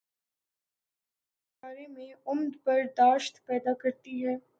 یہ دوسروں کے بارے میں عدم بر داشت پیدا کر تی ہے۔